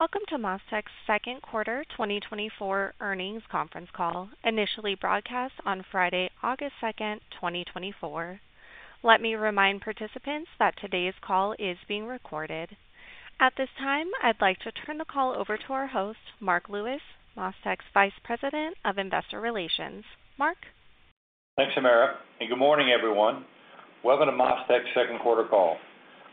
Welcome to MasTec's second quarter 2024 earnings conference call, initially broadcast on Friday, August 2nd, 2024. Let me remind participants that today's call is being recorded. At this time, I'd like to turn the call over to our host, Marc Lewis, MasTec's Vice President of Investor Relations. Mark. Thanks, Erica, and good morning, everyone. Welcome to MasTec's second quarter call.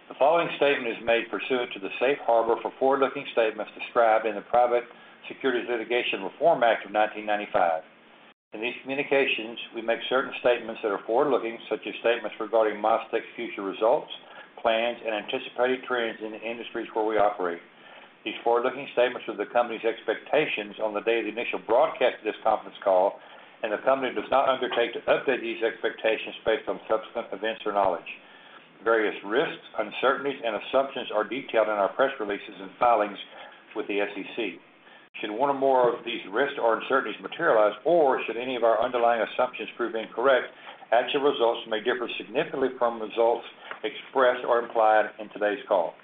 The following statement is made pursuant to the safe harbor for forward-looking statements described in the Private Securities Litigation Reform Act of 1995. In these communications, we make certain statements that are forward-looking, such as statements regarding MasTec's future results, plans, and anticipated trends in the industries where we operate. These forward-looking statements are the company's expectations on the day of the initial broadcast of this conference call, and the company does not undertake to update these expectations based on subsequent events or knowledge. Various risks, uncertainties, and assumptions are detailed in our press releases and filings with the SEC. Should one or more of these risks or uncertainties materialize, or should any of our underlying assumptions prove incorrect, actual results may differ significantly from results expressed or implied in today's call.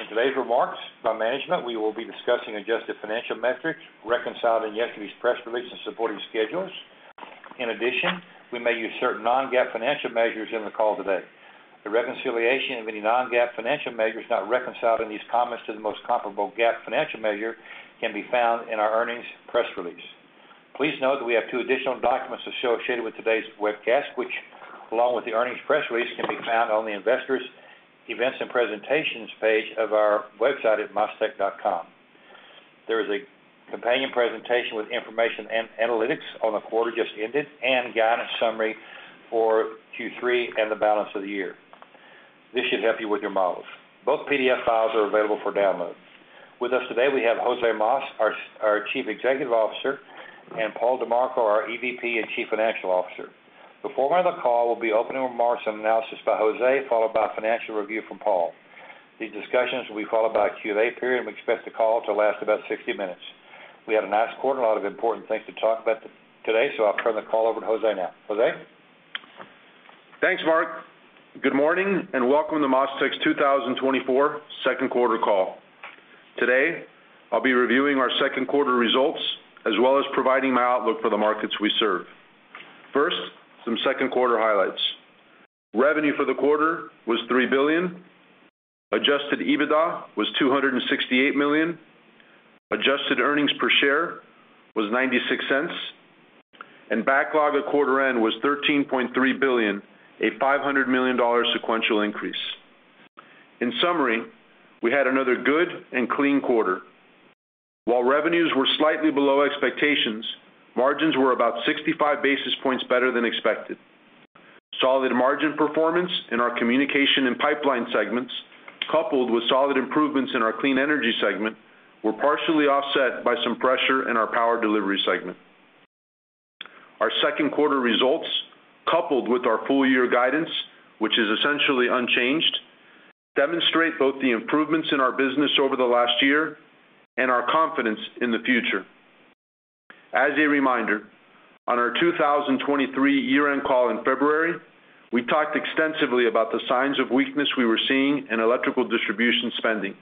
In today's remarks by management, we will be discussing adjusted financial metrics, reconciled in yesterday's press release and supporting schedules. In addition, we may use certain non-GAAP financial measures in the call today. The reconciliation of any non-GAAP financial measures not reconciled in these comments to the most comparable GAAP financial measure can be found in our earnings press release. Please note that we have two additional documents associated with today's webcast, which, along with the earnings press release, can be found on the investors' events and presentations page of our website at mastec.com. There is a companion presentation with information and analytics on the quarter just ended and guidance summary for Q3 and the balance of the year. This should help you with your models. Both PDF files are available for download. With us today, we have José Mas, our Chief Executive Officer, and Paul DiMarco, our EVP and Chief Financial Officer. The format of the call will be opening remarks and analysis by José, followed by financial review from Paul. These discussions will be followed by a Q&A period, and we expect the call to last about 60 minutes. We had a nice quarter and a lot of important things to talk about today, so I'll turn the call over to José now. José? Thanks, Mark. Good morning and welcome to MasTec's 2024 second quarter call. Today, I'll be reviewing our second quarter results as well as providing my outlook for the markets we serve. First, some second quarter highlights. Revenue for the quarter was $3 billion. Adjusted EBITDA was $268 million. adjusted earnings per share was $0.96. Backlog at quarter end was $13.3 billion, a $500 million sequential increase. In summary, we had another good and clean quarter. While revenues were slightly below expectations, margins were about 65 basis points better than expected. Solid margin performance in our communication and pipeline segments, coupled with solid improvements in our clean energy segment, were partially offset by some pressure in our power delivery segment. Our second quarter results, coupled with our full-year guidance, which is essentially unchanged, demonstrate both the improvements in our business over the last year and our confidence in the future. As a reminder, on our 2023 year-end call in February, we talked extensively about the signs of weakness we were seeing in electrical distribution spending.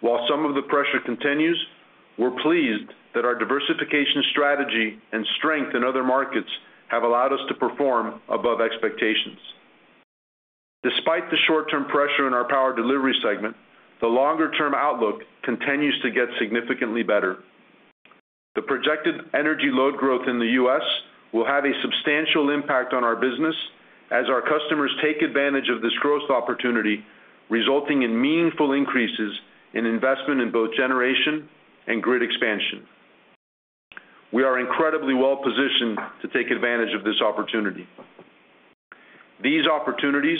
While some of the pressure continues, we're pleased that our diversification strategy and strength in other markets have allowed us to perform above expectations. Despite the short-term pressure in our power delivery segment, the longer-term outlook continues to get significantly better. The projected energy load growth in the U.S. will have a substantial impact on our business as our customers take advantage of this growth opportunity, resulting in meaningful increases in investment in both generation and grid expansion. We are incredibly well-positioned to take advantage of this opportunity. These opportunities,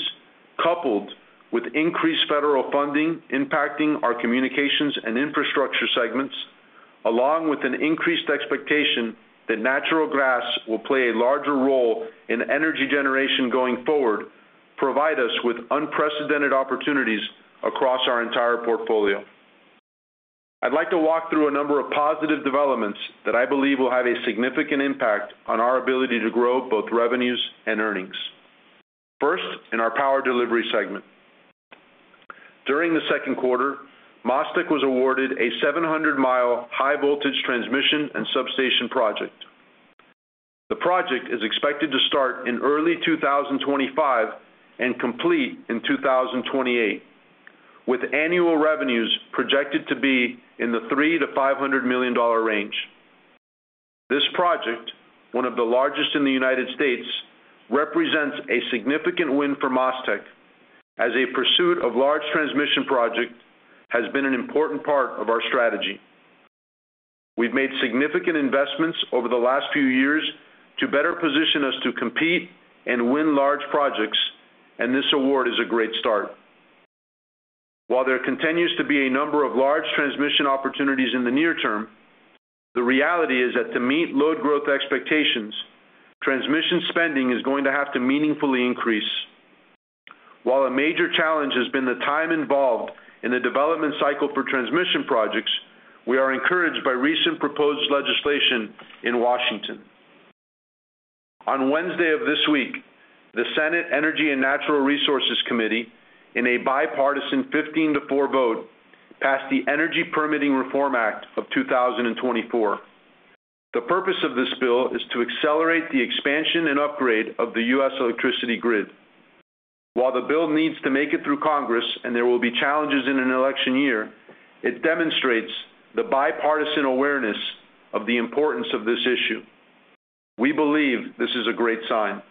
coupled with increased federal funding impacting our communications and infrastructure segments, along with an increased expectation that natural gas will play a larger role in energy generation going forward, provide us with unprecedented opportunities across our entire portfolio. I'd like to walk through a number of positive developments that I believe will have a significant impact on our ability to grow both revenues and earnings. First, in our power delivery segment. During the second quarter, MasTec was awarded a 700-mile high-voltage transmission and substation project. The project is expected to start in early 2025 and complete in 2028, with annual revenues projected to be in the $3-$500 million range. This project, one of the largest in the United States, represents a significant win for MasTec as a pursuit of large transmission projects has been an important part of our strategy. We've made significant investments over the last few years to better position us to compete and win large projects, and this award is a great start. While there continues to be a number of large transmission opportunities in the near term, the reality is that to meet load growth expectations, transmission spending is going to have to meaningfully increase. While a major challenge has been the time involved in the development cycle for transmission projects, we are encouraged by recent proposed legislation in Washington. On Wednesday of this week, the Senate Energy and Natural Resources Committee, in a bipartisan 15-to-4 vote, passed the Energy Permitting Reform Act of 2024. The purpose of this bill is to accelerate the expansion and upgrade of the U.S. electricity grid. While the bill needs to make it through Congress and there will be challenges in an election year, it demonstrates the bipartisan awareness of the importance of this issue. We believe this is a great sign.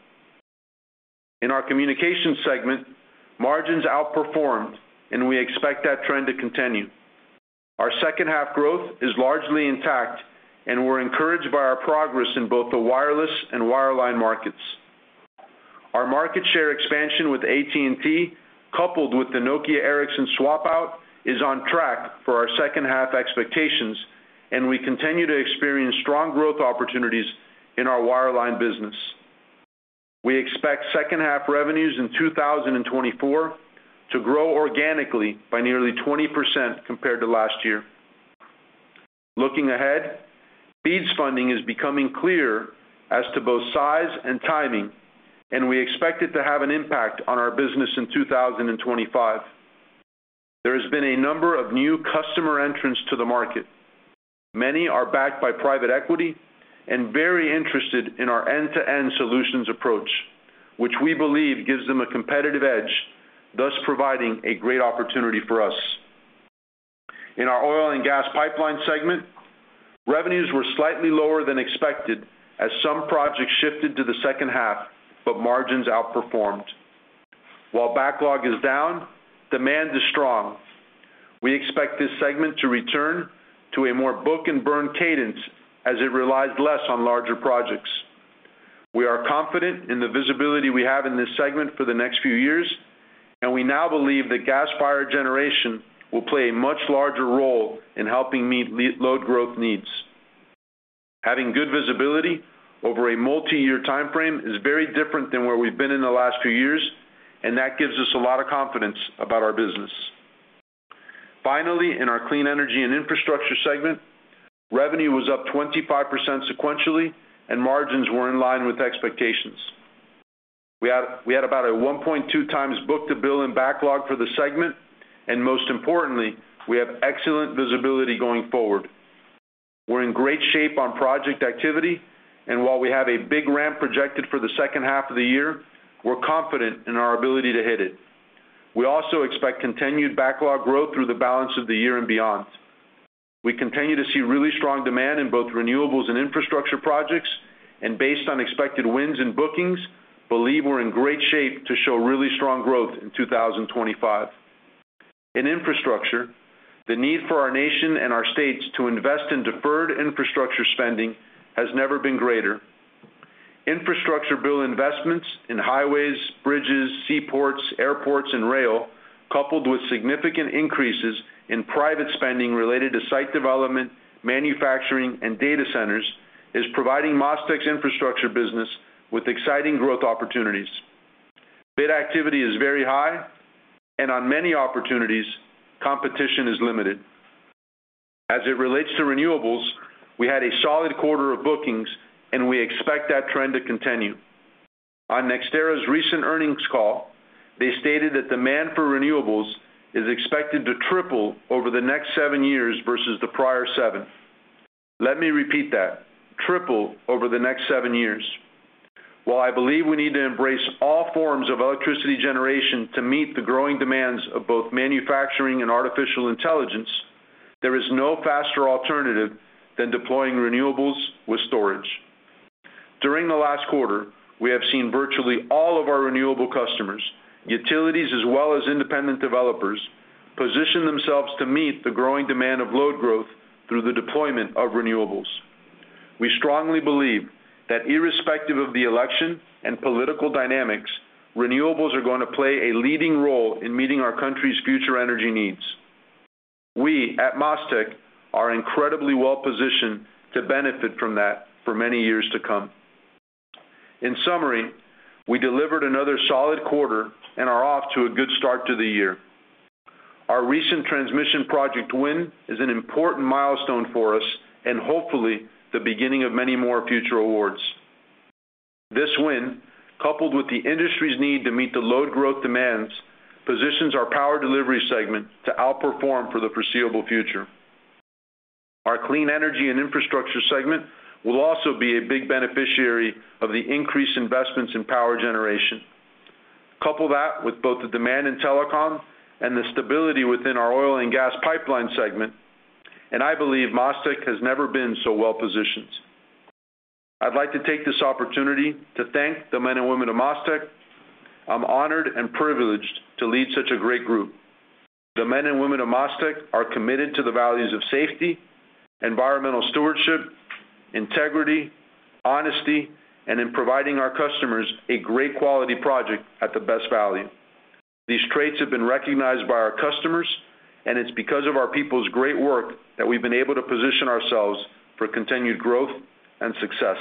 In our communications segment, margins outperformed, and we expect that trend to continue. Our second-half growth is largely intact, and we're encouraged by our progress in both the wireless and wireline markets. Our market share expansion with AT&T, coupled with the Nokia Ericsson swap-out, is on track for our second-half expectations, and we continue to experience strong growth opportunities in our wireline business. We expect second-half revenues in 2024 to grow organically by nearly 20% compared to last year. Looking ahead, BEAD funding is becoming clearer as to both size and timing, and we expect it to have an impact on our business in 2025. There has been a number of new customer entrants to the market. Many are backed by private equity and very interested in our end-to-end solutions approach, which we believe gives them a competitive edge, thus providing a great opportunity for us. In our oil and gas pipeline segment, revenues were slightly lower than expected as some projects shifted to the second half, but margins outperformed. While backlog is down, demand is strong. We expect this segment to return to a more book-and-burn cadence as it relies less on larger projects. We are confident in the visibility we have in this segment for the next few years, and we now believe that gas-fired generation will play a much larger role in helping meet load growth needs. Having good visibility over a multi-year timeframe is very different than where we've been in the last few years, and that gives us a lot of confidence about our business. Finally, in our clean energy and infrastructure segment, revenue was up 25% sequentially, and margins were in line with expectations. We had about a 1.2 times book-to-bill in backlog for the segment, and most importantly, we have excellent visibility going forward. We're in great shape on project activity, and while we have a big ramp projected for the second half of the year, we're confident in our ability to hit it. We also expect continued backlog growth through the balance of the year and beyond. We continue to see really strong demand in both renewables and infrastructure projects, and based on expected wins in bookings, believe we're in great shape to show really strong growth in 2025. In infrastructure, the need for our nation and our states to invest in deferred infrastructure spending has never been greater. Infrastructure bill investments in highways, bridges, seaports, airports, and rail, coupled with significant increases in private spending related to site development, manufacturing, and data centers, is providing MasTec's infrastructure business with exciting growth opportunities. Bid activity is very high, and on many opportunities, competition is limited. As it relates to renewables, we had a solid quarter of bookings, and we expect that trend to continue. On NextEra's recent earnings call, they stated that demand for renewables is expected to triple over the next seven years versus the prior seven. Let me repeat that: triple over the next seven years. While I believe we need to embrace all forms of electricity generation to meet the growing demands of both manufacturing and artificial intelligence, there is no faster alternative than deploying renewables with storage. During the last quarter, we have seen virtually all of our renewable customers, utilities, as well as independent developers, position themselves to meet the growing demand of load growth through the deployment of renewables. We strongly believe that irrespective of the election and political dynamics, renewables are going to play a leading role in meeting our country's future energy needs. We, at MasTec, are incredibly well-positioned to benefit from that for many years to come. In summary, we delivered another solid quarter and are off to a good start to the year. Our recent transmission project win is an important milestone for us and hopefully the beginning of many more future awards. This win, coupled with the industry's need to meet the load growth demands, positions our power delivery segment to outperform for the foreseeable future. Our clean energy and infrastructure segment will also be a big beneficiary of the increased investments in power generation. Couple that with both the demand in telecom and the stability within our oil and gas pipeline segment, and I believe MasTec has never been so well-positioned. I'd like to take this opportunity to thank the men and women of MasTec. I'm honored and privileged to lead such a great group. The men and women of MasTec are committed to the values of safety, environmental stewardship, integrity, honesty, and in providing our customers a great quality project at the best value. These traits have been recognized by our customers, and it's because of our people's great work that we've been able to position ourselves for continued growth and success.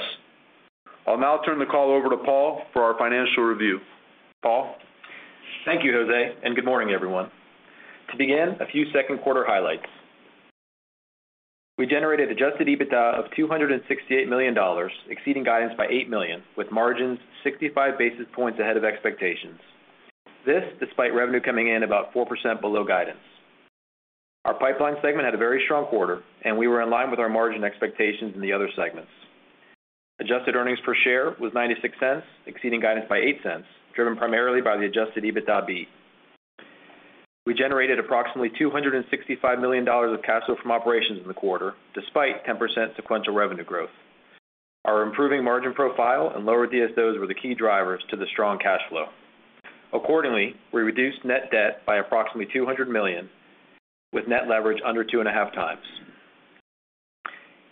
I'll now turn the call over to Paul for our financial review. Paul? Thank you, José, and good morning, everyone. To begin, a few second quarter highlights. We generated adjusted EBITDA of $268 million, exceeding guidance by $8 million, with margins 65 basis points ahead of expectations. This despite revenue coming in about 4% below guidance. Our pipeline segment had a very strong quarter, and we were in line with our margin expectations in the other segments. Adjusted earnings per share was $0.96, exceeding guidance by $0.08, driven primarily by the adjusted EBITDA beat. We generated approximately $265 million of cash flow from operations in the quarter, despite 10% sequential revenue growth. Our improving margin profile and lower DSOs were the key drivers to the strong cash flow. Accordingly, we reduced net debt by approximately $200 million, with net leverage under two and a half times.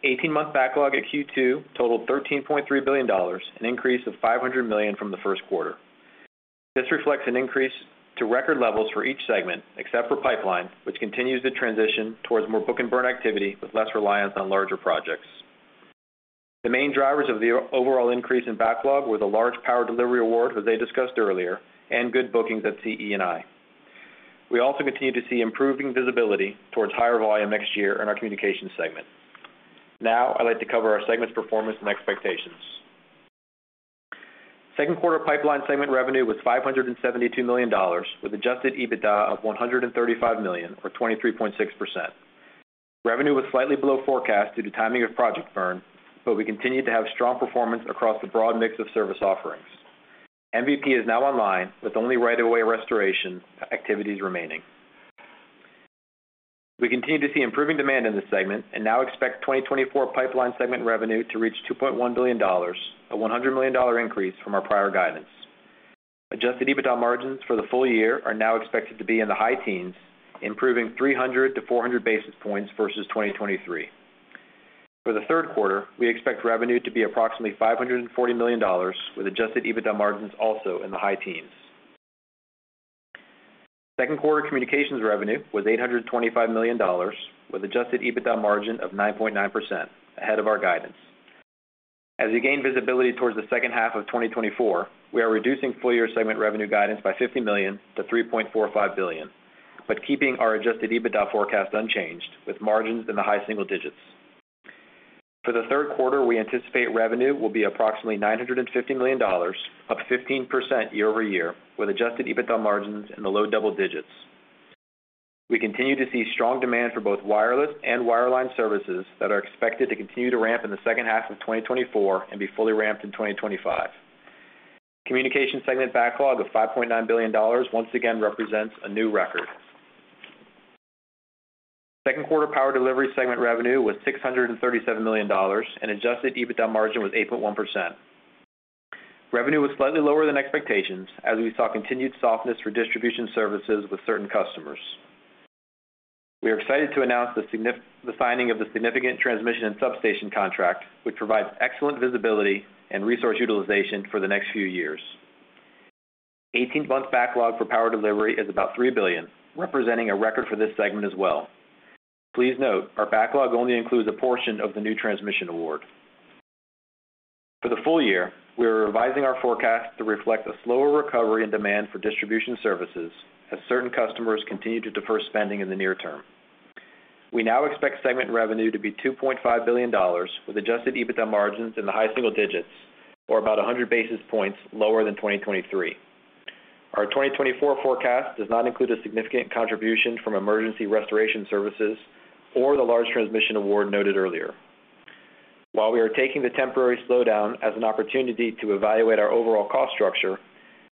18-month backlog at Q2 totaled $13.3 billion, an increase of $500 million from the first quarter. This reflects an increase to record levels for each segment, except for pipeline, which continues to transition towards more book-and-burn activity with less reliance on larger projects. The main drivers of the overall increase in backlog were the large power delivery award, as they discussed earlier, and good bookings at CE&I. We also continue to see improving visibility towards higher volume next year in our communications segment. Now, I'd like to cover our segment's performance and expectations. Second quarter pipeline segment revenue was $572 million, with adjusted EBITDA of $135 million, or 23.6%. Revenue was slightly below forecast due to timing of project burn, but we continued to have strong performance across the broad mix of service offerings. MVP is now online, with only right-of-way restoration activities remaining. We continue to see improving demand in this segment and now expect 2024 pipeline segment revenue to reach $2.1 billion, a $100 million increase from our prior guidance. Adjusted EBITDA margins for the full year are now expected to be in the high teens, improving 300 to 400 basis points versus 2023. For the third quarter, we expect revenue to be approximately $540 million, with adjusted EBITDA margins also in the high teens. Second quarter communications revenue was $825 million, with adjusted EBITDA margin of 9.9%, ahead of our guidance. As we gain visibility towards the second half of 2024, we are reducing full-year segment revenue guidance by $50 million to $3.45 billion, but keeping our adjusted EBITDA forecast unchanged, with margins in the high single digits. For the third quarter, we anticipate revenue will be approximately $950 million, up 15% year-over-year, with adjusted EBITDA margins in the low double digits. We continue to see strong demand for both wireless and wireline services that are expected to continue to ramp in the second half of 2024 and be fully ramped in 2025. Communications segment backlog of $5.9 billion once again represents a new record. Second quarter power delivery segment revenue was $637 million, and adjusted EBITDA margin was 8.1%. Revenue was slightly lower than expectations as we saw continued softness for distribution services with certain customers. We are excited to announce the signing of the significant transmission and substation contract, which provides excellent visibility and resource utilization for the next few years. 18-month backlog for power delivery is about $3 billion, representing a record for this segment as well. Please note, our backlog only includes a portion of the new transmission award. For the full year, we are revising our forecast to reflect a slower recovery in demand for distribution services as certain customers continue to defer spending in the near term. We now expect segment revenue to be $2.5 billion, with adjusted EBITDA margins in the high single digits, or about 100 basis points lower than 2023. Our 2024 forecast does not include a significant contribution from emergency restoration services or the large transmission award noted earlier. While we are taking the temporary slowdown as an opportunity to evaluate our overall cost structure,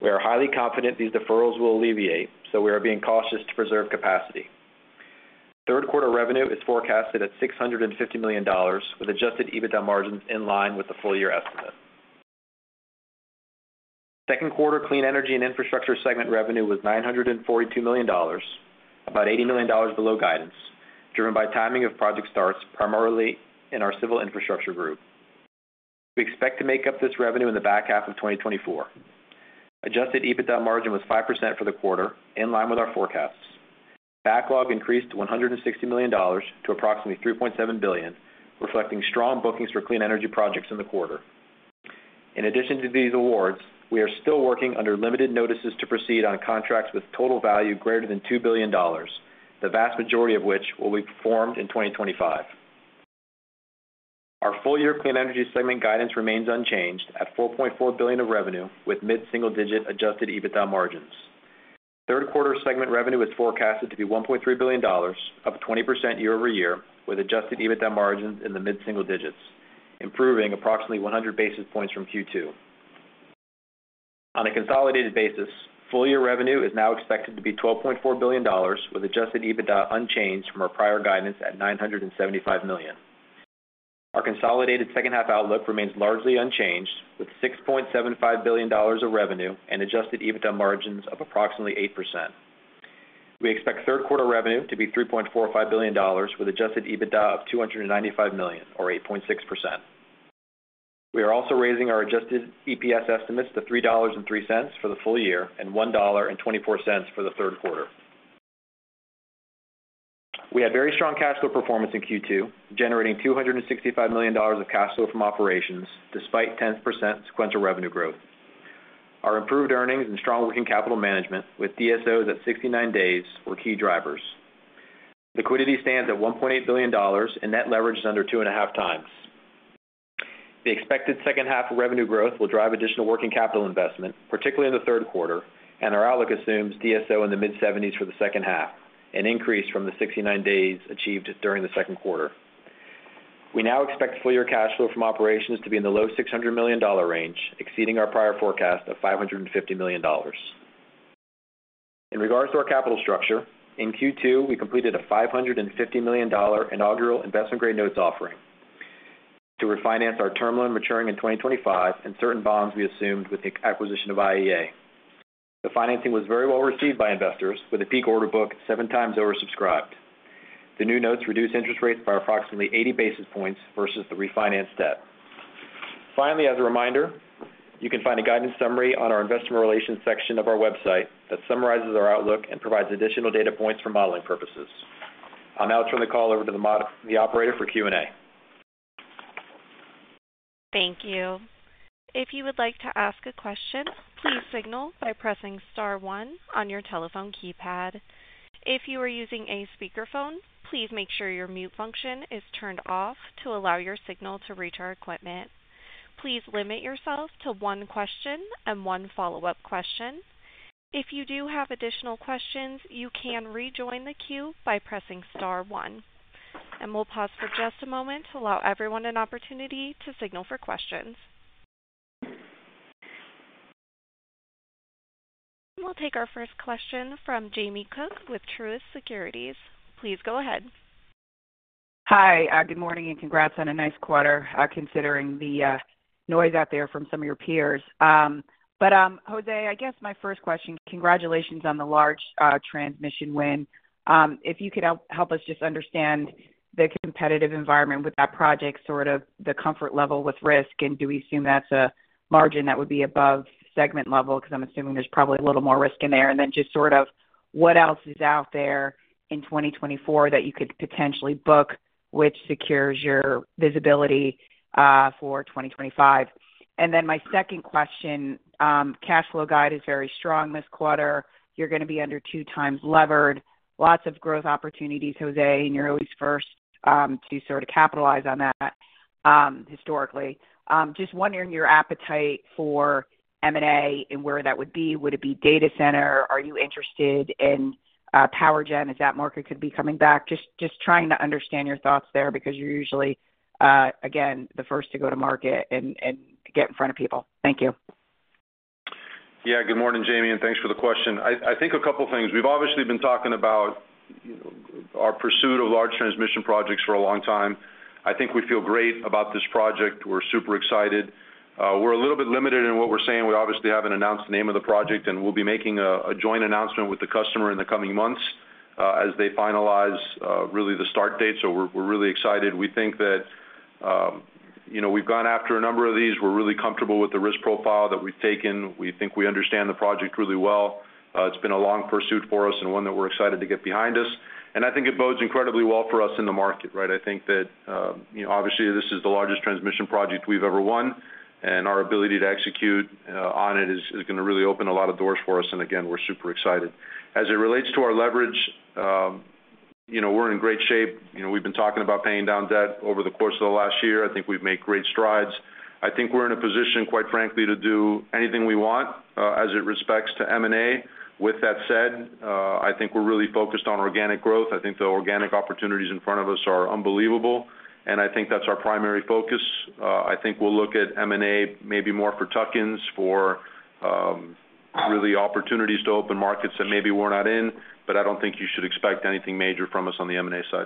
we are highly confident these deferrals will alleviate, so we are being cautious to preserve capacity. Third quarter revenue is forecasted at $650 million, with adjusted EBITDA margins in line with the full-year estimate. Second quarter clean energy and infrastructure segment revenue was $942 million, about $80 million below guidance, driven by timing of project starts primarily in our civil infrastructure group. We expect to make up this revenue in the back half of 2024. Adjusted EBITDA margin was 5% for the quarter, in line with our forecasts. Backlog increased by $160 million to approximately $3.7 billion, reflecting strong bookings for clean energy projects in the quarter. In addition to these awards, we are still working under limited notices to proceed on contracts with total value greater than $2 billion, the vast majority of which will be performed in 2025. Our full-year clean energy segment guidance remains unchanged at $4.4 billion of revenue, with mid-single digit adjusted EBITDA margins. Third quarter segment revenue is forecasted to be $1.3 billion, up 20% year over year, with Adjusted EBITDA margins in the mid-single digits, improving approximately 100 basis points from Q2. On a consolidated basis, full-year revenue is now expected to be $12.4 billion, with Adjusted EBITDA unchanged from our prior guidance at $975 million. Our consolidated second half outlook remains largely unchanged, with $6.75 billion of revenue and Adjusted EBITDA margins of approximately 8%. We expect third quarter revenue to be $3.45 billion, with Adjusted EBITDA of $295 million, or 8.6%. We are also raising our Adjusted EPS estimates to $3.03 for the full year and $1.24 for the third quarter. We had very strong cash flow performance in Q2, generating $265 million of cash flow from operations despite 10% sequential revenue growth. Our improved earnings and strong working capital management, with DSOs at 69 days, were key drivers. Liquidity stands at $1.8 billion, and net leverage is under 2.5 times. The expected second half revenue growth will drive additional working capital investment, particularly in the third quarter, and our outlook assumes DSO in the mid-70s for the second half, an increase from the 69 days achieved during the second quarter. We now expect full-year cash flow from operations to be in the low $600 million range, exceeding our prior forecast of $550 million. In regards to our capital structure, in Q2, we completed a $550 million inaugural investment-grade notes offering to refinance our term loan maturing in 2025 and certain bonds we assumed with the acquisition of IEA. The financing was very well received by investors, with a peak order book 7 times oversubscribed. The new notes reduce interest rates by approximately 80 basis points versus the refinanced debt. Finally, as a reminder, you can find a guidance summary on our investor relations section of our website that summarizes our outlook and provides additional data points for modeling purposes. I'll now turn the call over to the operator for Q&A. Thank you. If you would like to ask a question, please signal by pressing star one on your telephone keypad. If you are using a speakerphone, please make sure your mute function is turned off to allow your signal to reach our equipment. Please limit yourself to one question and one follow-up question. If you do have additional questions, you can rejoin the queue by pressing star one. We'll pause for just a moment to allow everyone an opportunity to signal for questions. We'll take our first question from Jamie Cook with Truist Securities. Please go ahead. Hi, good morning and congrats on a nice quarter, considering the noise out there from some of your peers. But José, I guess my first question, congratulations on the large transmission win. If you could help us just understand the competitive environment with that project, sort of the comfort level with risk, and do we assume that's a margin that would be above segment level? Because I'm assuming there's probably a little more risk in there. And then just sort of what else is out there in 2024 that you could potentially book which secures your visibility for 2025? And then my second question, cash flow guide is very strong this quarter. You're going to be under 2x levered. Lots of growth opportunities, José, and you're always first to sort of capitalize on that historically. Just wondering your appetite for M&A and where that would be. Would it be data center? Are you interested in power gen? Is that market could be coming back? Just trying to understand your thoughts there because you're usually, again, the first to go to market and get in front of people. Thank you. Yeah, good morning, Jamie, and thanks for the question. I think a couple of things. We've obviously been talking about our pursuit of large transmission projects for a long time. I think we feel great about this project. We're super excited. We're a little bit limited in what we're saying. We obviously haven't announced the name of the project, and we'll be making a joint announcement with the customer in the coming months as they finalize really the start date. So we're really excited. We think that we've gone after a number of these. We're really comfortable with the risk profile that we've taken. We think we understand the project really well. It's been a long pursuit for us and one that we're excited to get behind us. And I think it bodes incredibly well for us in the market, right? I think that obviously this is the largest transmission project we've ever won, and our ability to execute on it is going to really open a lot of doors for us. And again, we're super excited. As it relates to our leverage, we're in great shape. We've been talking about paying down debt over the course of the last year. I think we've made great strides. I think we're in a position, quite frankly, to do anything we want as it relates to M&A. With that said, I think we're really focused on organic growth. I think the organic opportunities in front of us are unbelievable, and I think that's our primary focus. I think we'll look at M&A maybe more for tuck-ins, for really opportunities to open markets that maybe we're not in, but I don't think you should expect anything major from us on the M&A side.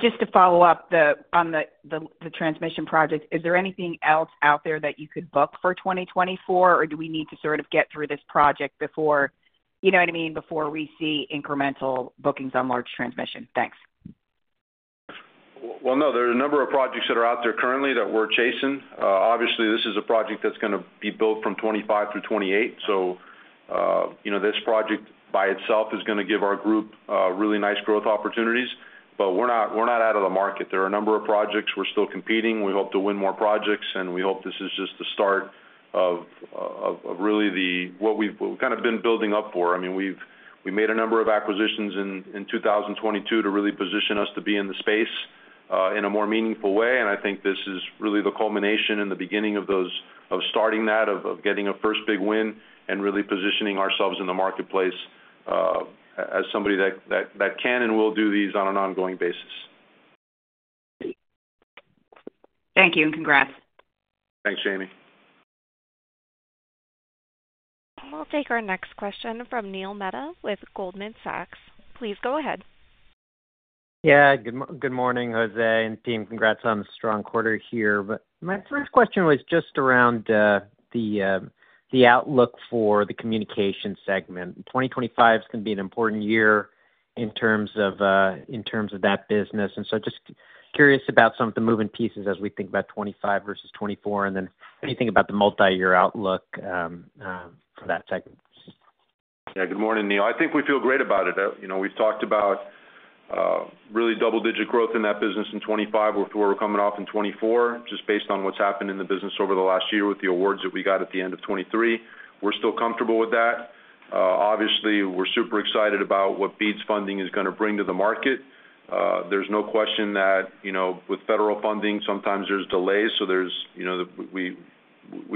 Just to follow up on the transmission project, is there anything else out there that you could book for 2024, or do we need to sort of get through this project before, you know what I mean, before we see incremental bookings on large transmission? Thanks. Well, no, there are a number of projects that are out there currently that we're chasing. Obviously, this is a project that's going to be built from 2025 through 2028. So this project by itself is going to give our group really nice growth opportunities, but we're not out of the market. There are a number of projects. We're still competing. We hope to win more projects, and we hope this is just the start of really what we've kind of been building up for. I mean, we made a number of acquisitions in 2022 to really position us to be in the space in a more meaningful way. And I think this is really the culmination and the beginning of starting that, of getting a first big win and really positioning ourselves in the marketplace as somebody that can and will do these on an ongoing basis. Thank you and congrats. Thanks, Jamie. We'll take our next question from Neil Mehta with Goldman Sachs. Please go ahead. Yeah, good morning, José and team. Congrats on the strong quarter here. But my first question was just around the outlook for the communication segment. 2025 is going to be an important year in terms of that business. And so just curious about some of the moving pieces as we think about 2025 versus 2024, and then anything about the multi-year outlook for that segment. Yeah, good morning, Neil. I think we feel great about it. We've talked about really double-digit growth in that business in 2025 with where we're coming off in 2024, just based on what's happened in the business over the last year with the awards that we got at the end of 2023. We're still comfortable with that. Obviously, we're super excited about what BEAD funding is going to bring to the market. There's no question that with federal funding, sometimes there's delays. So we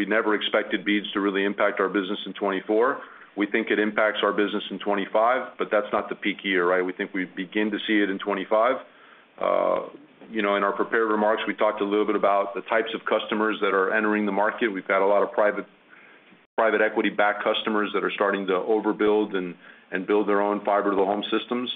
never expected BEAD to really impact our business in 2024. We think it impacts our business in 2025, but that's not the peak year, right? We think we begin to see it in 2025. In our prepared remarks, we talked a little bit about the types of customers that are entering the market. We've got a lot of private equity-backed customers that are starting to overbuild and build their own fiber-to-the-home systems.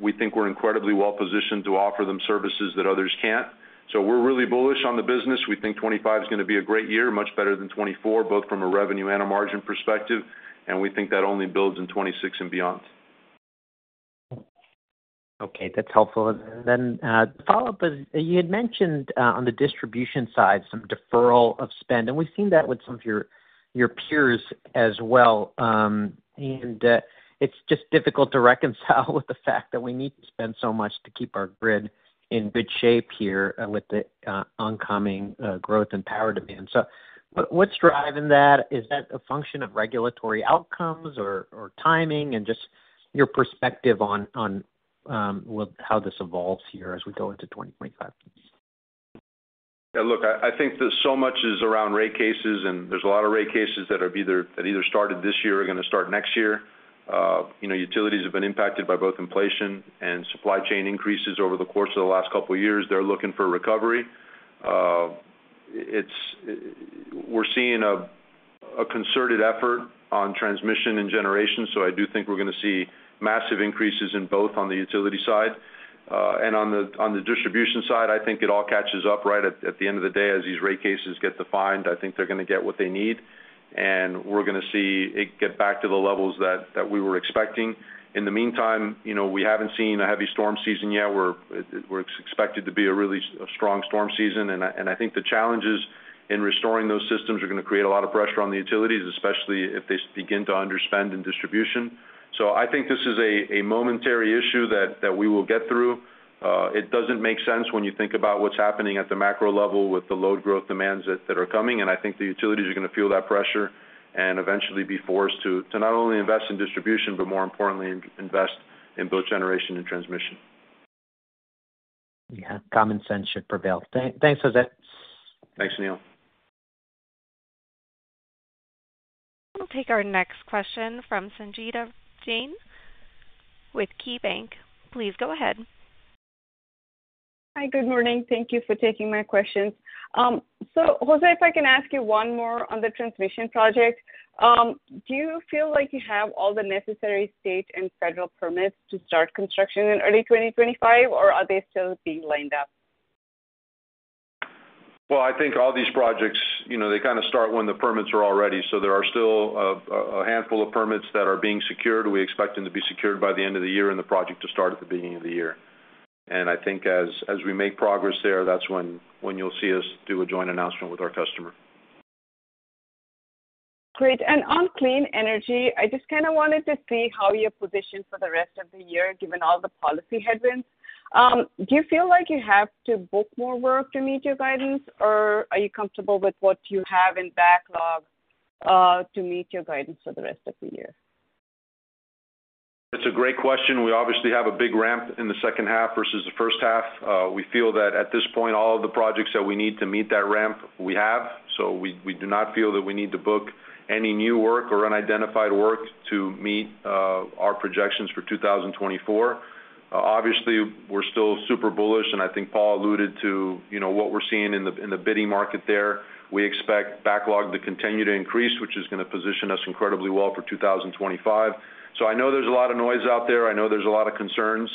We think we're incredibly well-positioned to offer them services that others can't. So we're really bullish on the business. We think 2025 is going to be a great year, much better than 2024, both from a revenue and a margin perspective. And we think that only builds in 2026 and beyond. Okay, that's helpful. And then the follow-up is you had mentioned on the distribution side some deferral of spend, and we've seen that with some of your peers as well. And it's just difficult to reconcile with the fact that we need to spend so much to keep our grid in good shape here with the oncoming growth in power demand. So what's driving that? Is that a function of regulatory outcomes or timing and just your perspective on how this evolves here as we go into 2025? Yeah, look, I think that so much is around rate cases, and there's a lot of rate cases that either started this year or are going to start next year. Utilities have been impacted by both inflation and supply chain increases over the course of the last couple of years. They're looking for recovery. We're seeing a concerted effort on transmission and generation. So I do think we're going to see massive increases in both on the utility side. And on the distribution side, I think it all catches up, right? At the end of the day, as these rate cases get defined, I think they're going to get what they need. And we're going to see it get back to the levels that we were expecting. In the meantime, we haven't seen a heavy storm season yet. We're expected to be a really strong storm season. I think the challenges in restoring those systems are going to create a lot of pressure on the utilities, especially if they begin to underspend in distribution. I think this is a momentary issue that we will get through. It doesn't make sense when you think about what's happening at the macro level with the load growth demands that are coming. I think the utilities are going to feel that pressure and eventually be forced to not only invest in distribution, but more importantly, invest in both generation and transmission. Yeah, common sense should prevail. Thanks, José. Thanks, Neil. We'll take our next question from Sangita Jain with KeyBanc Capital Markets. Please go ahead. Hi, good morning. Thank you for taking my questions. So José, if I can ask you one more on the transmission project, do you feel like you have all the necessary state and federal permits to start construction in early 2025, or are they still being lined up? Well, I think all these projects, they kind of start when the permits are all ready. There are still a handful of permits that are being secured. We expect them to be secured by the end of the year and the project to start at the beginning of the year. I think as we make progress there, that's when you'll see us do a joint announcement with our customer. Great. On clean energy, I just kind of wanted to see how you're positioned for the rest of the year, given all the policy headwinds. Do you feel like you have to book more work to meet your guidance, or are you comfortable with what you have in backlog to meet your guidance for the rest of the year? That's a great question. We obviously have a big ramp in the second half versus the first half. We feel that at this point, all of the projects that we need to meet that ramp, we have. We do not feel that we need to book any new work or unidentified work to meet our projections for 2024. Obviously, we're still super bullish, and I think Paul alluded to what we're seeing in the bidding market there. We expect backlog to continue to increase, which is going to position us incredibly well for 2025. I know there's a lot of noise out there. I know there's a lot of concerns,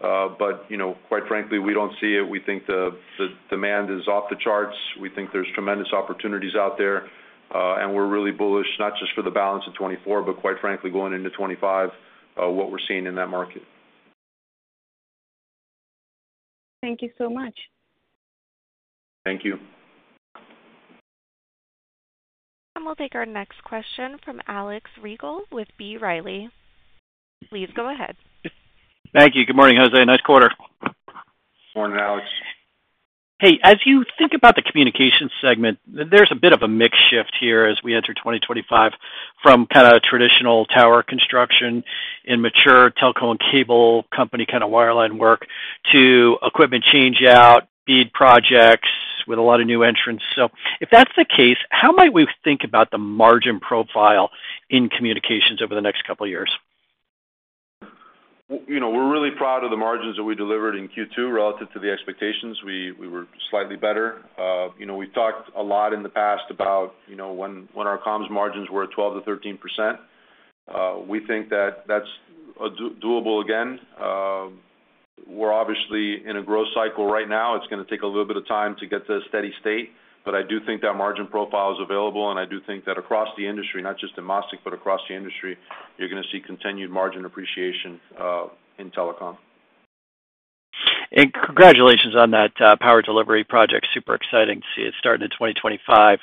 but quite frankly, we don't see it. We think the demand is off the charts. We think there's tremendous opportunities out there. We're really bullish, not just for the balance of 2024, but quite frankly, going into 2025, what we're seeing in that market. Thank you so much. Thank you. We'll take our next question from Alex Rygiel with B. Riley. Please go ahead. Thank you. Good morning, José. Nice quarter. Morning, Alex. Hey, as you think about the communication segment, there's a bit of a mixed shift here as we enter 2025 from kind of traditional tower construction and mature telco and cable company kind of wireline work to equipment changeout, BEAD projects with a lot of new entrants. So if that's the case, how might we think about the margin profile in communications over the next couple of years? We're really proud of the margins that we delivered in Q2 relative to the expectations. We were slightly better. We've talked a lot in the past about when our comms margins were 12%-13%. We think that that's doable again. We're obviously in a growth cycle right now. It's going to take a little bit of time to get to a steady state, but I do think that margin profile is available. And I do think that across the industry, not just in MasTec, but across the industry, you're going to see continued margin appreciation in telecom. Congratulations on that power delivery project. Super exciting to see it start in 2025.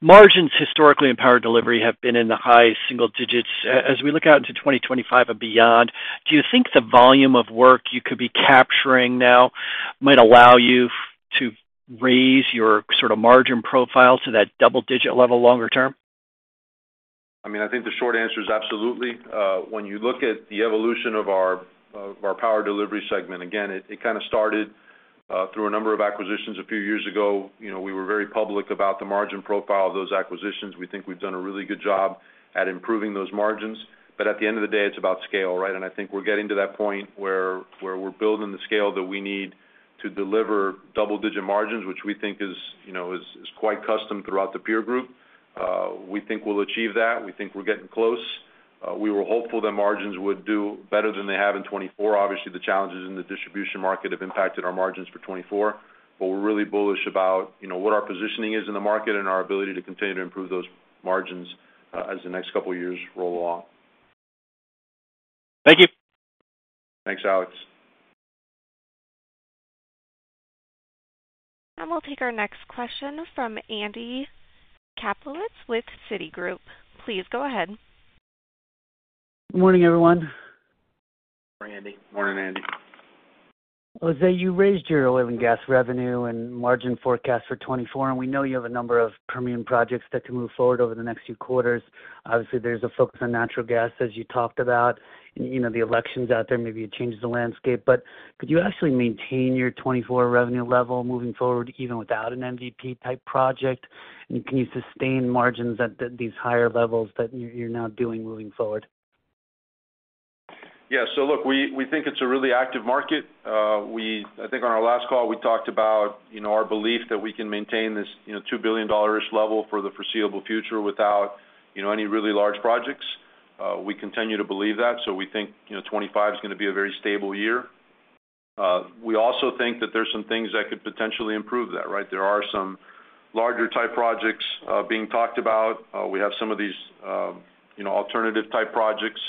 Margins historically in power delivery have been in the high single digits. As we look out into 2025 and beyond, do you think the volume of work you could be capturing now might allow you to raise your sort of margin profile to that double-digit level longer term? I mean, I think the short answer is absolutely. When you look at the evolution of our power delivery segment, again, it kind of started through a number of acquisitions a few years ago. We were very public about the margin profile of those acquisitions. We think we've done a really good job at improving those margins. But at the end of the day, it's about scale, right? And I think we're getting to that point where we're building the scale that we need to deliver double-digit margins, which we think is quite custom throughout the peer group. We think we'll achieve that. We think we're getting close. We were hopeful that margins would do better than they have in 2024. Obviously, the challenges in the distribution market have impacted our margins for 2024, but we're really bullish about what our positioning is in the market and our ability to continue to improve those margins as the next couple of years roll along. Thank you. Thanks, Alex. We'll take our next question from Andy Kaplowitz with Citigroup. Please go ahead. Good morning, everyone. Morning, Andy. Morning, Andy. José, you raised your oil and gas revenue and margin forecast for 2024, and we know you have a number of premium projects that can move forward over the next few quarters. Obviously, there's a focus on natural gas, as you talked about. The election's out there. Maybe it changes the landscape. But could you actually maintain your 2024 revenue level moving forward, even without an MVP-type project? And can you sustain margins at these higher levels that you're now doing moving forward? Yeah. So look, we think it's a really active market. I think on our last call, we talked about our belief that we can maintain this $2 billion level for the foreseeable future without any really large projects. We continue to believe that. So we think 2025 is going to be a very stable year. We also think that there are some things that could potentially improve that, right? There are some larger-type projects being talked about. We have some of these alternative-type projects,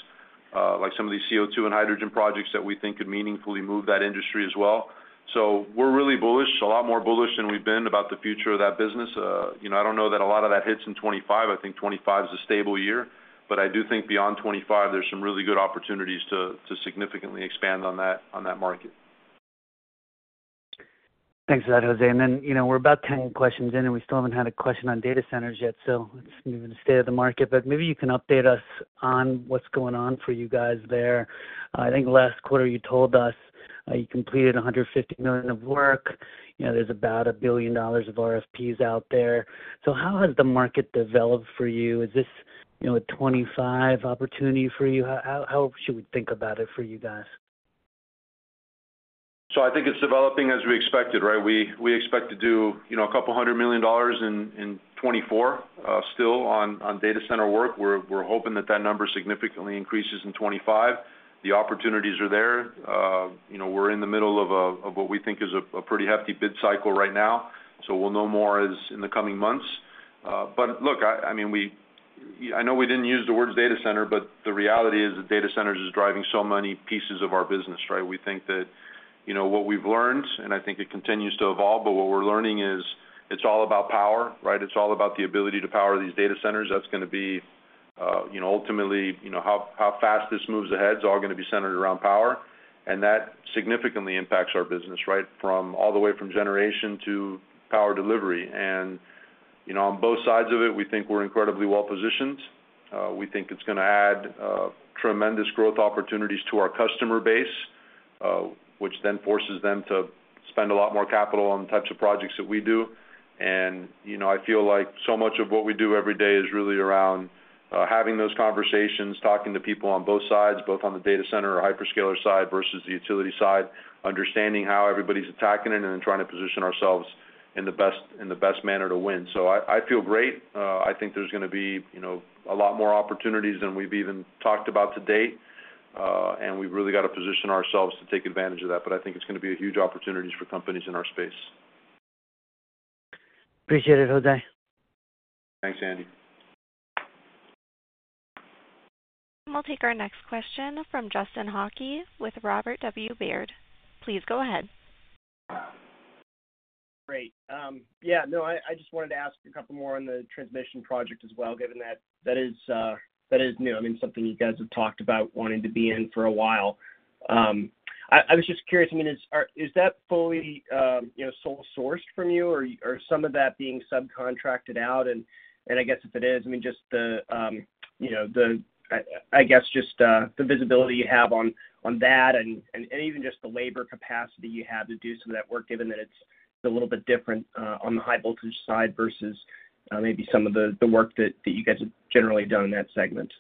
like some of these CO2 and hydrogen projects that we think could meaningfully move that industry as well. So we're really bullish, a lot more bullish than we've been about the future of that business. I don't know that a lot of that hits in 2025. I think 2025 is a stable year. But I do think beyond 2025, there's some really good opportunities to significantly expand on that market. Thanks for that, José. Then we're about 10 questions in, and we still haven't had a question on data centers yet. It's moving to state of the market. Maybe you can update us on what's going on for you guys there. I think last quarter, you told us you completed $150 million of work. There's about $1 billion of RFPs out there. How has the market developed for you? Is this a 2025 opportunity for you? How should we think about it for you guys? So I think it's developing as we expected, right? We expect to do $200 million in 2024 still on data center work. We're hoping that that number significantly increases in 2025. The opportunities are there. We're in the middle of what we think is a pretty hefty bid cycle right now. So we'll know more in the coming months. But look, I mean, I know we didn't use the words data center, but the reality is that data centers is driving so many pieces of our business, right? We think that what we've learned, and I think it continues to evolve, but what we're learning is it's all about power, right? It's all about the ability to power these data centers. That's going to be ultimately how fast this moves ahead is all going to be centered around power. That significantly impacts our business, right, all the way from generation to power delivery. On both sides of it, we think we're incredibly well-positioned. We think it's going to add tremendous growth opportunities to our customer base, which then forces them to spend a lot more capital on the types of projects that we do. I feel like so much of what we do every day is really around having those conversations, talking to people on both sides, both on the data center or hyperscaler side versus the utility side, understanding how everybody's attacking it, and then trying to position ourselves in the best manner to win. I feel great. I think there's going to be a lot more opportunities than we've even talked about to date. We've really got to position ourselves to take advantage of that. But I think it's going to be a huge opportunity for companies in our space. Appreciate it, José. Thanks, Andy. We'll take our next question from Justin Hauke with Robert W. Baird. Please go ahead. Great. Yeah. No, I just wanted to ask a couple more on the transmission project as well, given that that is new. I mean, something you guys have talked about wanting to be in for a while. I was just curious, I mean, is that fully sole sourced from you, or some of that being subcontracted out? And I guess if it is, I mean, just the visibility you have on that and even just the labor capacity you have to do some of that work, given that it's a little bit different on the high voltage side versus maybe some of the work that you guys have generally done in that segment.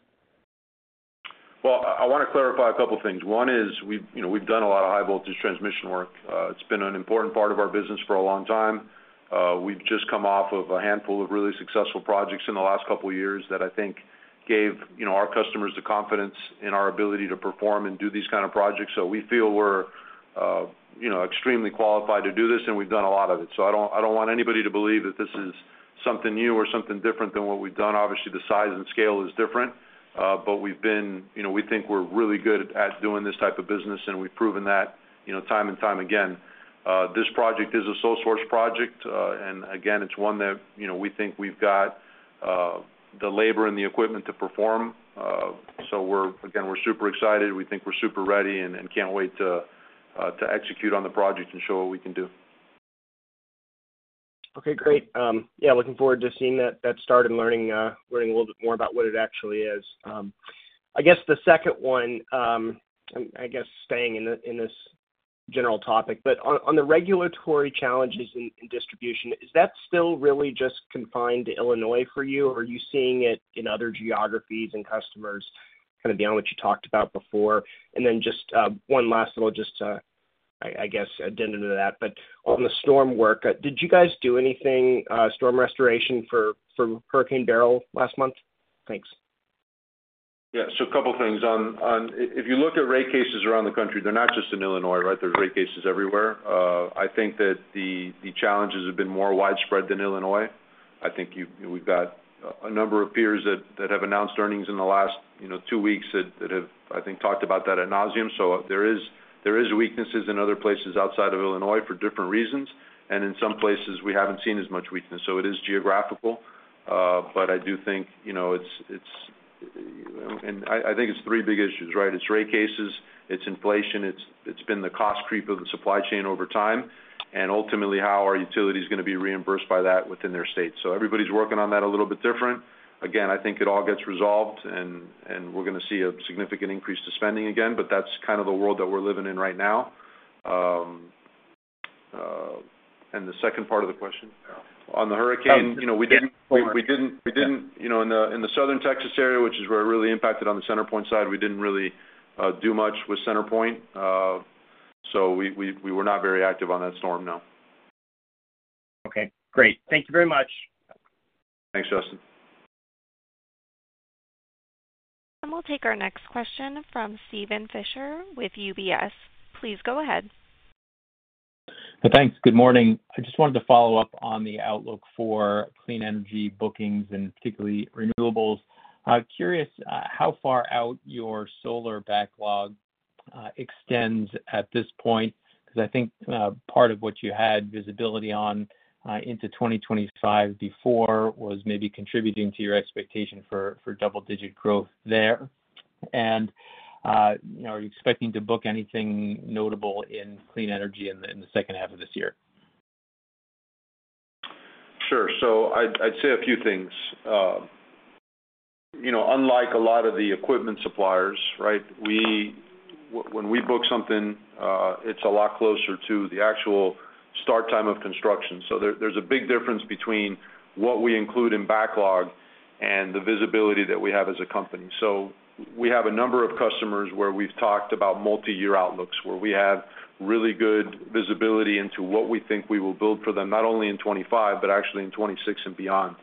Well, I want to clarify a couple of things. One is we've done a lot of high voltage transmission work. It's been an important part of our business for a long time. We've just come off of a handful of really successful projects in the last couple of years that I think gave our customers the confidence in our ability to perform and do these kinds of projects. We feel we're extremely qualified to do this, and we've done a lot of it. I don't want anybody to believe that this is something new or something different than what we've done. Obviously, the size and scale is different, but we think we're really good at doing this type of business, and we've proven that time and time again. This project is a sole source project. And again, it's one that we think we've got the labor and the equipment to perform. So again, we're super excited. We think we're super ready and can't wait to execute on the project and show what we can do. Okay, great. Yeah, looking forward to seeing that start and learning a little bit more about what it actually is. I guess the second one, I guess, staying in this general topic, but on the regulatory challenges in distribution, is that still really just confined to Illinois for you, or are you seeing it in other geographies and customers, kind of beyond what you talked about before? And then just one last little, just I guess, addendum to that. But on the storm work, did you guys do anything, storm restoration for Hurricane Beryl last month? Thanks. Yeah. So a couple of things. If you look at rate cases around the country, they're not just in Illinois, right? There's rate cases everywhere. I think that the challenges have been more widespread than Illinois. I think we've got a number of peers that have announced earnings in the last two weeks that have, I think, talked about that ad nauseam. So there are weaknesses in other places outside of Illinois for different reasons. And in some places, we haven't seen as much weakness. So it is geographical, but I do think it's—and I think it's three big issues, right? It's rate cases. It's inflation. It's been the cost creep of the supply chain over time. And ultimately, how are utilities going to be reimbursed by that within their state? So everybody's working on that a little bit different. Again, I think it all gets resolved, and we're going to see a significant increase to spending again, but that's kind of the world that we're living in right now. And the second part of the question? On the hurricane, we didn't in the southern Texas area, which is where it really impacted on the CenterPoint side, we didn't really do much with CenterPoint. So we were not very active on that storm, no. Okay. Great. Thank you very much. Thanks, Justin. We'll take our next question from Steven Fisher with UBS. Please go ahead. Hey, thanks. Good morning. I just wanted to follow up on the outlook for clean energy bookings and particularly renewables. Curious how far out your solar backlog extends at this point because I think part of what you had visibility on into 2025 before was maybe contributing to your expectation for double-digit growth there. And are you expecting to book anything notable in clean energy in the second half of this year? Sure. So I'd say a few things. Unlike a lot of the equipment suppliers, right, when we book something, it's a lot closer to the actual start time of construction. So there's a big difference between what we include in backlog and the visibility that we have as a company. So we have a number of customers where we've talked about multi-year outlooks, where we have really good visibility into what we think we will build for them, not only in 2025, but actually in 2026 and beyond.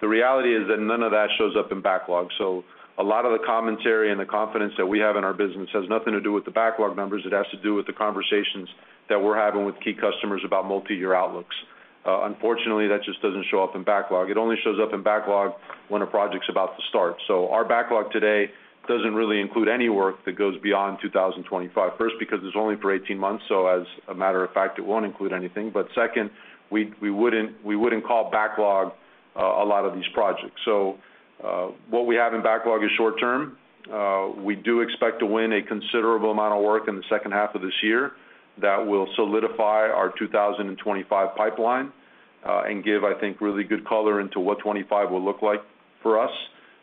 The reality is that none of that shows up in backlog. So a lot of the commentary and the confidence that we have in our business has nothing to do with the backlog numbers. It has to do with the conversations that we're having with key customers about multi-year outlooks. Unfortunately, that just doesn't show up in backlog. It only shows up in backlog when a project's about to start. So our backlog today doesn't really include any work that goes beyond 2025. First, because it's only for 18 months, so as a matter of fact, it won't include anything. But second, we wouldn't call backlog a lot of these projects. So what we have in backlog is short-term. We do expect to win a considerable amount of work in the second half of this year that will solidify our 2025 pipeline and give, I think, really good color into what 2025 will look like for us.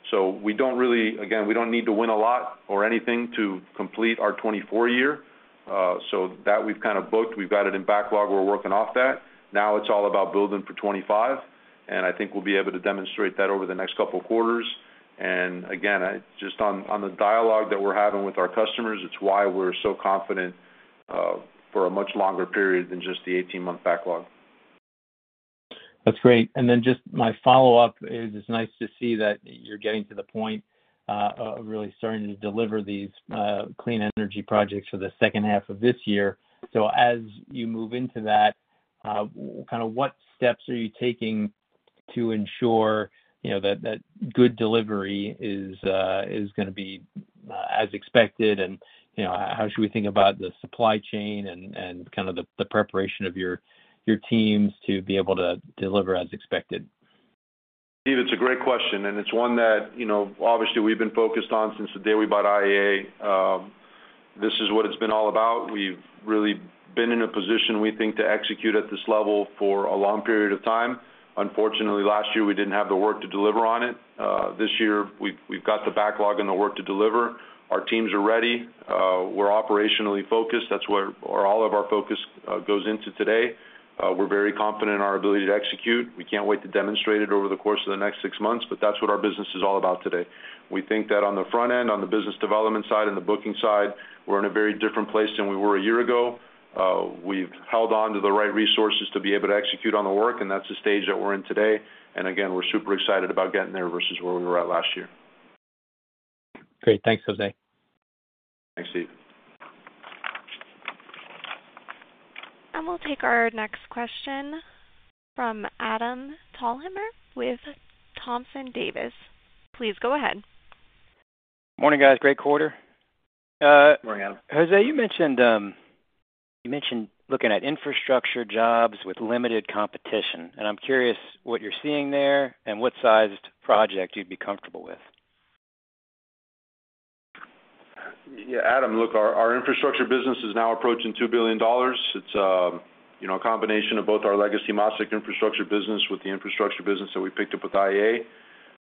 So we don't really, again, we don't need to win a lot or anything to complete our 2024 year. So that we've kind of booked. We've got it in backlog. We're working off that. Now it's all about building for 2025. I think we'll be able to demonstrate that over the next couple of quarters. Again, just on the dialogue that we're having with our customers, it's why we're so confident for a much longer period than just the 18-month backlog. That's great. And then just my follow-up is it's nice to see that you're getting to the point of really starting to deliver these clean energy projects for the second half of this year. So as you move into that, kind of what steps are you taking to ensure that good delivery is going to be as expected? And how should we think about the supply chain and kind of the preparation of your teams to be able to deliver as expected? Steve, it's a great question. It's one that, obviously, we've been focused on since the day we bought IEA. This is what it's been all about. We've really been in a position, we think, to execute at this level for a long period of time. Unfortunately, last year, we didn't have the work to deliver on it. This year, we've got the backlog and the work to deliver. Our teams are ready. We're operationally focused. That's where all of our focus goes into today. We're very confident in our ability to execute. We can't wait to demonstrate it over the course of the next six months, but that's what our business is all about today. We think that on the front end, on the business development side and the booking side, we're in a very different place than we were a year ago. We've held on to the right resources to be able to execute on the work, and that's the stage that we're in today. And again, we're super excited about getting there versus where we were at last year. Great. Thanks, José. Thanks, Steve. We'll take our next question from Adam Thalhimer with Thompson Davis. Please go ahead. Morning, guys. Great quarter. Morning, Adam. José, you mentioned looking at infrastructure jobs with limited competition. I'm curious what you're seeing there and what sized project you'd be comfortable with? Yeah, Adam, look, our infrastructure business is now approaching $2 billion. It's a combination of both our legacy MasTec infrastructure business with the infrastructure business that we picked up with IEA.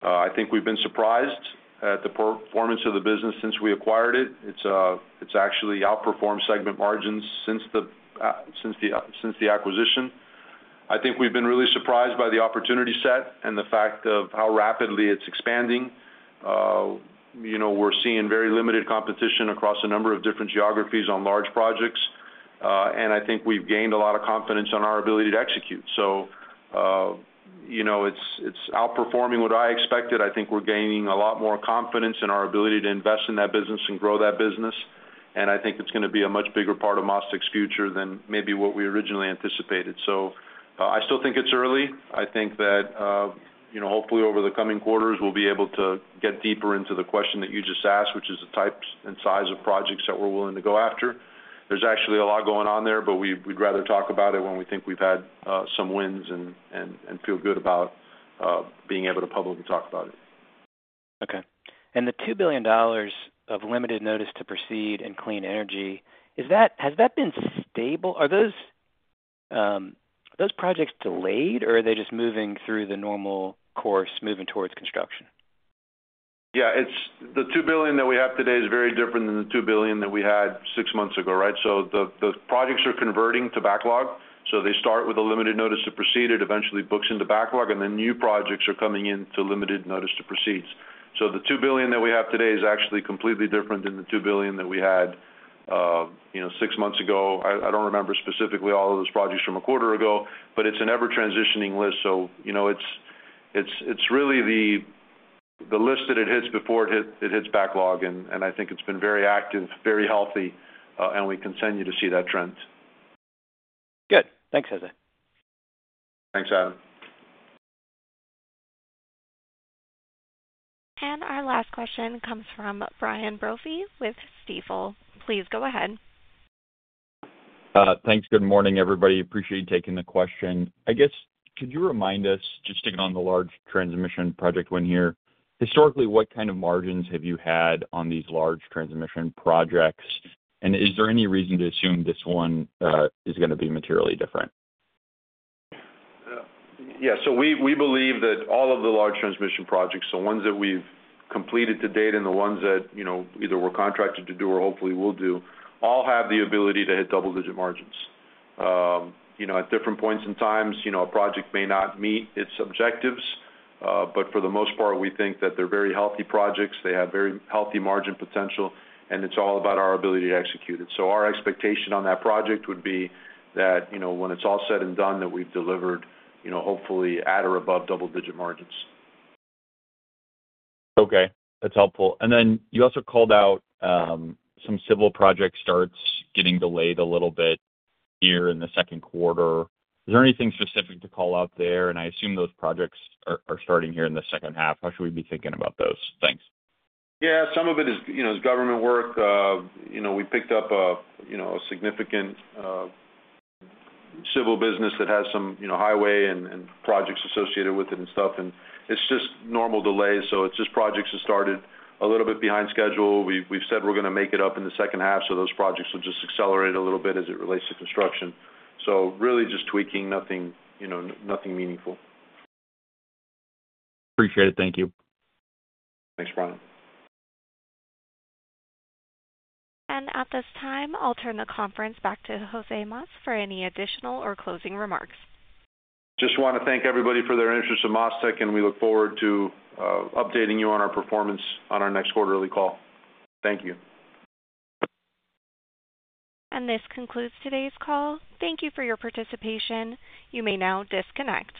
I think we've been surprised at the performance of the business since we acquired it. It's actually outperformed segment margins since the acquisition. I think we've been really surprised by the opportunity set and the fact of how rapidly it's expanding. We're seeing very limited competition across a number of different geographies on large projects. And I think we've gained a lot of confidence in our ability to execute. So it's outperforming what I expected. I think we're gaining a lot more confidence in our ability to invest in that business and grow that business. And I think it's going to be a much bigger part of MasTec's future than maybe what we originally anticipated. So I still think it's early. I think that hopefully over the coming quarters, we'll be able to get deeper into the question that you just asked, which is the types and size of projects that we're willing to go after. There's actually a lot going on there, but we'd rather talk about it when we think we've had some wins and feel good about being able to publicly talk about it. Okay. The $2 billion of limited notice to proceed in clean energy, has that been stable? Are those projects delayed, or are they just moving through the normal course, moving towards construction? Yeah. The $2 billion that we have today is very different than the $2 billion that we had six months ago, right? So the projects are converting to backlog. So they start with a limited notice to proceed. It eventually books into backlog, and then new projects are coming into limited notice to proceed. So the $2 billion that we have today is actually completely different than the $2 billion that we had six months ago. I don't remember specifically all of those projects from a quarter ago, but it's an ever-transitioning list. So it's really the list that it hits before it hits backlog. And I think it's been very active, very healthy, and we continue to see that trend. Good. Thanks, José. Thanks, Adam. Our last question comes from Brian Brophy with Stifel. Please go ahead. Thanks. Good morning, everybody. Appreciate you taking the question. I guess, could you remind us, just to get on the large transmission project one here, historically, what kind of margins have you had on these large transmission projects? And is there any reason to assume this one is going to be materially different? Yeah. So we believe that all of the large transmission projects, the ones that we've completed to date and the ones that either we're contracted to do or hopefully will do, all have the ability to hit double-digit margins. At different points in time, a project may not meet its objectives, but for the most part, we think that they're very healthy projects. They have very healthy margin potential, and it's all about our ability to execute it. So our expectation on that project would be that when it's all said and done, that we've delivered hopefully at or above double-digit margins. Okay. That's helpful. And then you also called out some civil project starts getting delayed a little bit here in the second quarter. Is there anything specific to call out there? And I assume those projects are starting here in the second half. How should we be thinking about those? Thanks. Yeah. Some of it is government work. We picked up a significant civil business that has some highway and projects associated with it and stuff. And it's just normal delays. So it's just projects that started a little bit behind schedule. We've said we're going to make it up in the second half, so those projects will just accelerate a little bit as it relates to construction. So really just tweaking, nothing meaningful. Appreciate it. Thank you. Thanks, Brian. At this time, I'll turn the conference back to José Mas for any additional or closing remarks. Just want to thank everybody for their interest in MasTec, and we look forward to updating you on our performance on our next quarterly call. Thank you. This concludes today's call. Thank you for your participation. You may now disconnect.